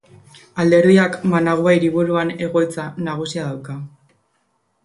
Alderdiak Managua hiriburuan egoitza nagusia dauka.